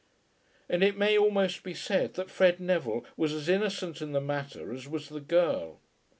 And it may almost be said that Fred Neville was as innocent in the matter as was the girl.